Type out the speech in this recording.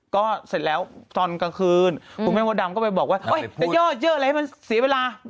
ก็เสร็จแล้วตอนกลางคืนคุณแม่มดดำก็ไปบอกว่าจะย่อเยอะอะไรให้มันเสียเวลา